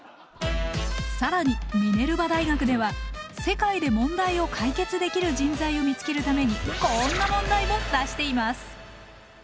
更にミネルバ大学では世界で問題を解決できる人材を見つけるためにこんな問題も出しています！